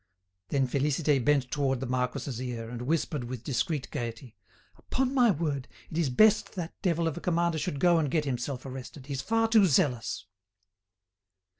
Then Félicité bent towards the marquis's ear, and whispered with discreet gaiety: "Upon my word, it is best that devil of a commander should go and get himself arrested. He's far too zealous."